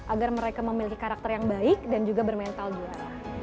agar mereka memiliki karakter yang baik dan juga bermental juga